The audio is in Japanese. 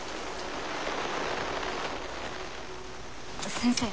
先生